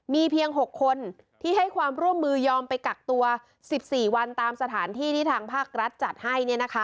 มีเพียง๖คนที่ให้ความร่วมมือยอมไปกักตัว๑๔วันตามสถานที่ที่ทางภาครัฐจัดให้